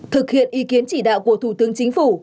thực hiện ý kiến chỉ đạo của thủ tướng chính phủ